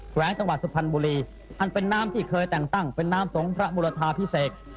แวงจังหวัดสุพรรณบุรีอันเป็นน้ำที่เคยแต่งตั้งเป็นน้ำสงพระมุรทาพิเศษ